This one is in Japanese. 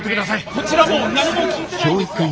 こちらも何も聞いてないんですよ。